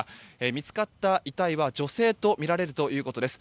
見つかった遺体は女性とみられるということです。